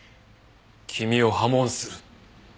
君を破門する。